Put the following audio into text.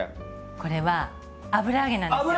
これは油揚げなんですよ。